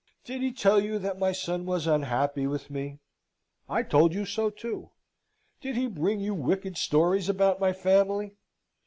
Did he tell you that my son was unhappy with me? I told you so too. Did he bring you wicked stories about my family?